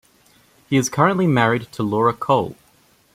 He is currently married to Laura Cole.